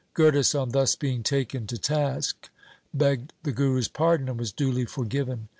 Gurdas on thus being taken to task, begged the Guru's pardon, and was duly for given.